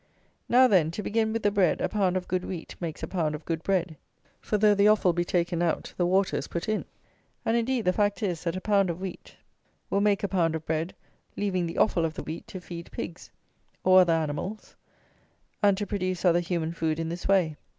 Now, then, to begin with the bread, a pound of good wheat makes a pound of good bread; for, though the offal be taken out, the water is put in; and, indeed, the fact is, that a pound of wheat will make a pound of bread, leaving the offal of the wheat to feed pigs, or other animals, and to produce other human food in this way.